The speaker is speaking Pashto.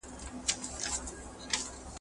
تر بچو پوري خواړه یې رسوله !.